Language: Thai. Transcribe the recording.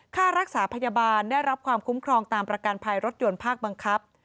ค่ารักษาพยาบาลได้รับความคุ้มครองตามประกันภัยรถยนต์ภาคบังคับ